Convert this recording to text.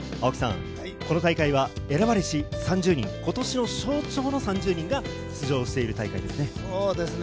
この大会は選ばれし３０人、今年を象徴の３０人が出場している大会ですね。